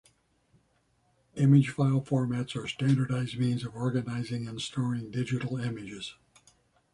Image file formats are standardized means of organizing and storing digital images.